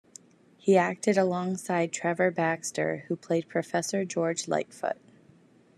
He acted alongside Trevor Baxter who played Professor George Litefoot.